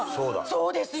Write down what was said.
そうですよ！